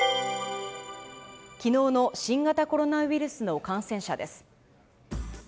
きのうの新型コロナウイルスの感染者です。